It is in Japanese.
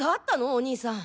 お兄さん。